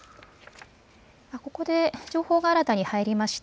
ここで、情報が新たに入りました。